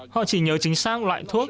họ chỉ nhớ chính xác loại thuốc